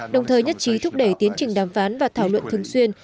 đồng thời nhất trí thúc đẩy tiến trình đàm phán và thảo luận thường xuyên